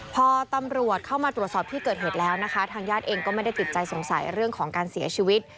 พอตำรวจเข้ามาตรวจสอบที่เกิดเหตุแล้วนะคะทางญาติเองก็ไม่ได้ติดใจสงสัยเรื่องของการเสียชีวิต